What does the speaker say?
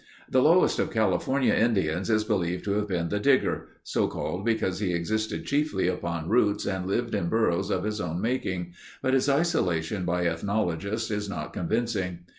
The lowest of California Indians is believed to have been the Digger, so called because he existed chiefly upon roots and lived in burrows of his own making, but his isolation by ethnologists is not convincing.